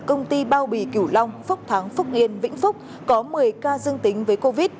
công ty bao bì kiểu long phúc thắng phúc yên vĩnh phúc có một mươi ca dương tính với covid